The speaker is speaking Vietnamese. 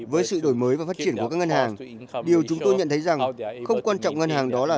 với sự đổi mới và phát triển của các ngân hàng điều chúng tôi nhận thấy rằng không quan trọng ngân hàng đó là